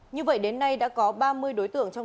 như vậy đến nay đã có ba mươi đối tượng trong đường dây này